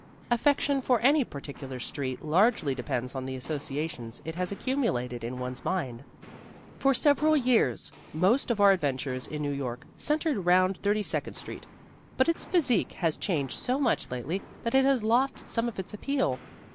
Affection for any particular street largely depends on the associations it has accumulated in one's mind. For several years most of our adventures in New York centred round Thirty second Street; but its physique has changed so much lately that it has lost some of its appeal.